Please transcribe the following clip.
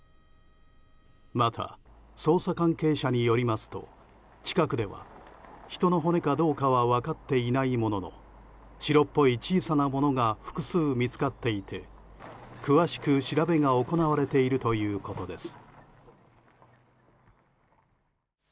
また、捜査関係者によりますと近くでは、人の骨かはどうかは分かっていないものの白っぽい小さなものが複数見つかっていて詳しく調べが行われているということです。